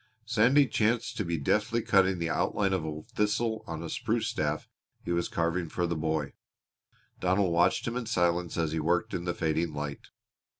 Sandy chanced to be deftly cutting the outline of a thistle on a spruce staff he was carving for the boy. Donald watched him in silence as he worked in the fading light.